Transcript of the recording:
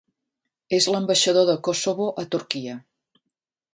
És l'ambaixador de Kosovo a Turquia.